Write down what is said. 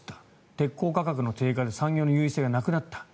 鉄鋼価格の低下で産業の優位性がなくなった。